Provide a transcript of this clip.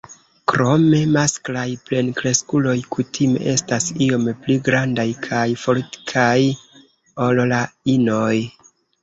Krome masklaj plenkreskuloj kutime estas iom pli grandaj kaj fortikaj ol la inoj.